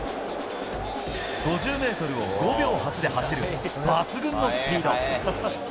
５０メートルを５秒８で走る、抜群のスピード。